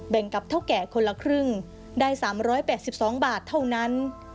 กับเท่าแก่คนละครึ่งได้๓๘๒บาทเท่านั้น